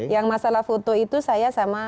yang masalah foto itu saya sama